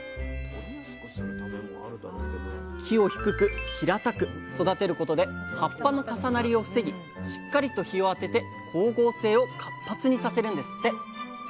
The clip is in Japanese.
木を低く平たく育てることで葉っぱの重なりを防ぎしっかりと日を当てて光合成を活発にさせるんですって！